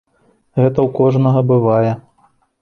Гэта ў кожнага бывае.